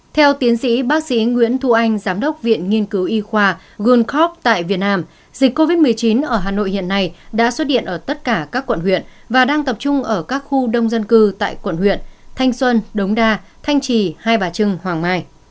theo tiến sĩ bác sĩ nguyễn thu anh giám đốc viện nghiên cứu y khoa goodcob tại việt nam dịch covid một mươi chín ở hà nội hiện nay đã xuất hiện ở tất cả các quận huyện và đang tập trung ở các khu đông dân cư tại quận huyện thanh xuân đống đa thanh trì hai bà trưng hoàng mai